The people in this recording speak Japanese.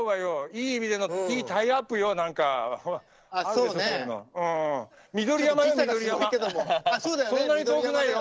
いい意味の、いいタイアップよ！